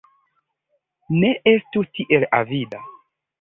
Ne estu tiel avida.